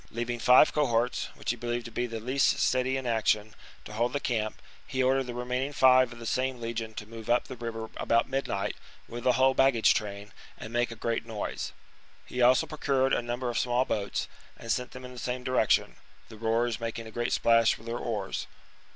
Leaving five cohorts, which he believed to be the least steady in action, to hold the camp, he ordered the remain ing five of the same legion to move up the river about midnight with the whole baggage train, and make a great noise. He also procured a number of small boats, and sent them in the same direc tion, the rowers making a great splash with their oars.